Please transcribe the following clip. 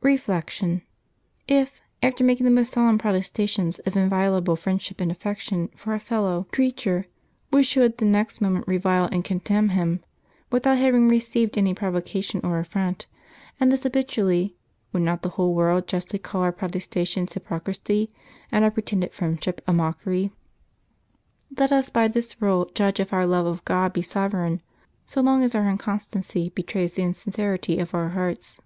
Reflection. — If, after making the most solemn protesta tions of inviolable friendship and affection for a fellow 150 LIVES OF THE SAINTS [April 18 creature, we should the next moment revile and contemn him, without having received any provocation or affront, and this habitual!}', would not the whole world justly call our protestations hypocrisy, and our pretended friendship a mockery? Let us by this rule judge if our love of Godt be sovereign, so long as our inconstancy betrays the insin cerit}' of our hearts.